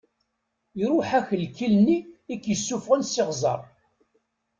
Iṛuḥ-ak lkil-nni i k-issufɣen s iɣzeṛ.